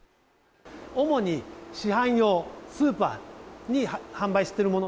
主に市販用、スーパーに販売しているもの。